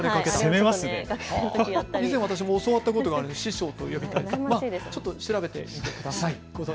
以前、私も教わったことがある師匠なんですが、調べてみてください。